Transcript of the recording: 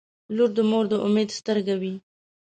• لور د مور د امید سترګې وي.